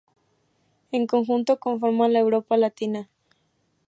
En conjunto conforman la Europa latina.